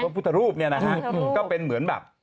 พุทธรูปก็เป็นเหมือนแบบ